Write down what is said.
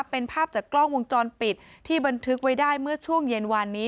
เป็นภาพจากกล้องวงจรปิดที่บันทึกไว้ได้เมื่อช่วงเย็นวานนี้